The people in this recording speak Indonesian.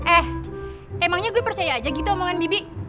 eh emangnya gue percaya aja gitu omongan bibi